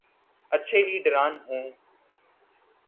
اچھے لیڈران ہوں۔